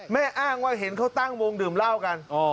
อ้างว่าเห็นเขาตั้งวงดื่มเหล้ากัน